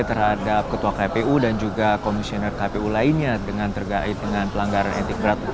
terhadap ketua kpu dan juga komisioner kpu lainnya dengan terkait dengan pelanggaran etik berat